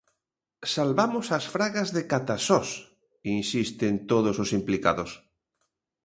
"Salvamos as Fragas de Catasós", insisten todos os implicados.